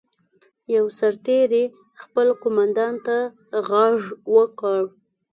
یوه سرتېري خپل قوماندان ته غږ وکړ.